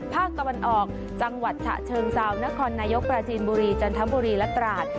ภาคตะวันออกจังหวัดฉะเชิงเซานครนายกปราจีนบุรีจันทบุรีและตราด